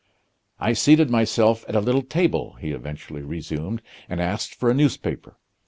"I seated myself at a little table," he eventually resumed, "and asked for a newspaper.